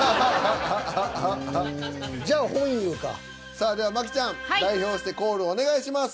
さあでは麻貴ちゃん代表してコールお願いします。